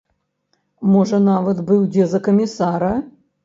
Можа, нават быў дзе за камісара?